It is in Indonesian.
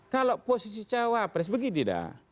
kalau posisi cawapres begini dah